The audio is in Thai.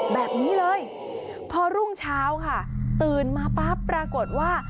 แบบนี้เลยพอรุ่งเช้าค่ะตื่นมาปั๊บปรากฏว่า